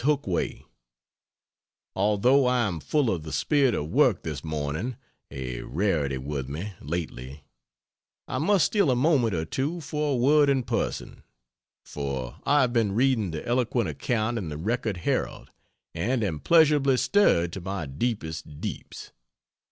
HOOKWAY, Although I am full of the spirit of work this morning, a rarity with me lately I must steal a moment or two for a word in person: for I have been reading the eloquent account in the Record Herald and am pleasurably stirred, to my deepest deeps.